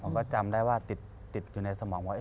ก็จำได้ว่าติดอยู่ในสมองว่า